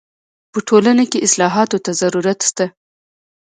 په ټولنه کي اصلاحاتو ته ضرورت سته.